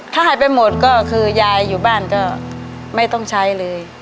ถ้าหายไปหมดก็คือยายอยู่บ้านก็ไม่ต้องใช้เลย